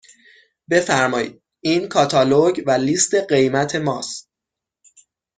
بفرمایید این کاتالوگ و لیست قیمت ماست.